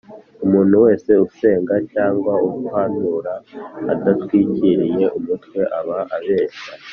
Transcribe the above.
Umuntu wese usenga cyangwa uhanura adatwikiriye umutwe aba abeshya